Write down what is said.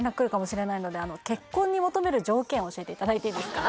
結婚に求める条件を教えていただいていいですか？